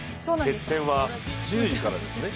決戦は１０時からですね。